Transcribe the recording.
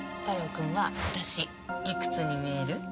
タロウくんは私いくつに見える？